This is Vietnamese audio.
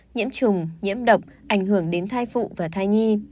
nhiễm trùng nhiễm độc ảnh hưởng đến thai phụ và thai nhi